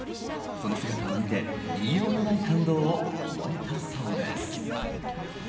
その姿を見て言いようのない感動を覚えたそうです。